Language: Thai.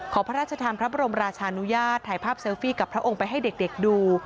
ขอพระราชทานพระบรมราชานุญาตถ่ายภาพเซลฟี่กับพระองค์ไปให้เด็กดู